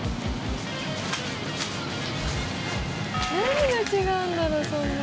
「何が違うんだろう？